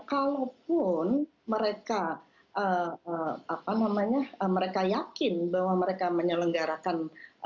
kalaupun mereka yakin bahwa mereka menyelenggarakan